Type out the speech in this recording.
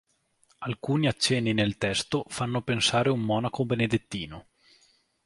Alcuni accenni nel testo fanno pensare a un monaco benedettino.